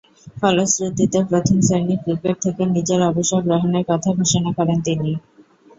ফলশ্রুতিতে, প্রথম-শ্রেণীর ক্রিকেট থেকে নিজের অবসর গ্রহণের কথা ঘোষণা করেন তিনি।